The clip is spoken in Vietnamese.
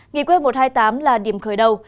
nghị quyết một trăm hai mươi tám là điểm khởi đầu